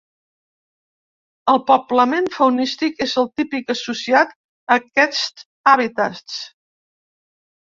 El poblament faunístic és el típic associat a aquests hàbitats.